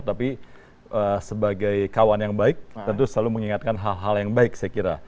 tapi sebagai kawan yang baik tentu selalu mengingatkan hal hal yang baik saya kira